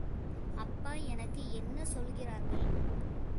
அப்பா எனக்கு என்ன சொல்கிறீர்கள்?